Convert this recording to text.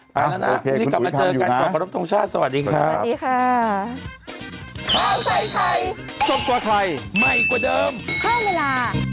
ไปแล้วนะพี่อุ๋ยกลับมาเจอกันก่อนขอบความรับทรงชาติสวัสดีครับสวัสดีค่ะ